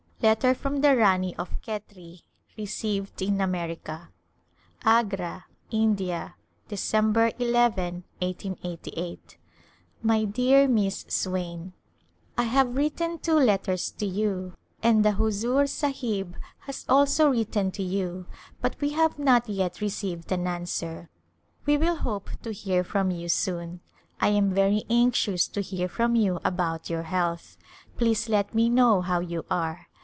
(Letter from the Rani of Khetri. — Received in America.) Jgra^ India ^ Dec. ii^ 1888. My dear Miss Swain : I have written two letters to you and the Huzur Sahib has also written to you but we have not yet received an answer. We will hope to hear from you soon. I am very anxious to hear from you about [ 193] A Glimpse of hidia your health. Please let me know how you are.